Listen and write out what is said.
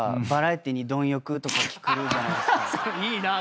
いいな！